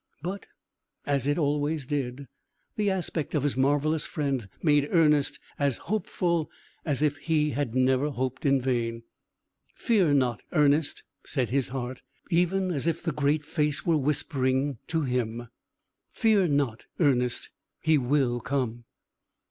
But as it always did the aspect of his marvellous friend made Ernest as hopeful as if he had never hoped in vain. "Fear not, Ernest," said his heart, even as if the Great Face were whispering him "fear not, Ernest; he will come."